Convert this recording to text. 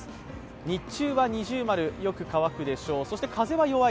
日中は二重丸、よく乾くでしょう。